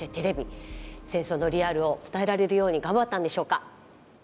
戦争のリアルを伝えられるように頑張ったんでしょうか？